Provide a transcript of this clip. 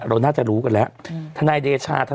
เราน่าจะรู้กันแล้วทนายเดชา